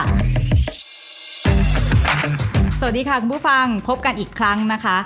สวัสดีค่ะคุณผู้ฟังพบกันอีกครั้งนะคะ